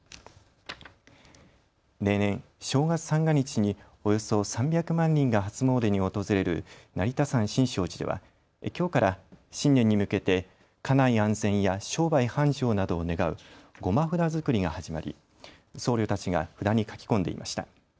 例年、正月三が日におよそ３００万人が初詣に訪れる成田山新勝寺ではきょうから新年に向けて家内安全や商売繁盛などを願う護摩札作りが始まり僧侶たちが札に書き込んでいました。